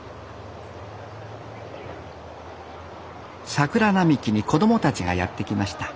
桜並木に子どもたちがやって来ました。